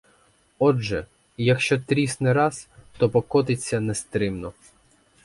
Отже — якщо трісне раз, то покотиться нестримно.